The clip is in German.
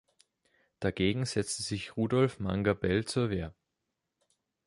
Dagegen setzte sich Rudolf Manga Bell zur Wehr.